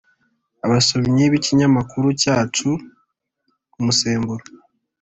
abasomyi b’ikinyamakuru cyacu umusemburo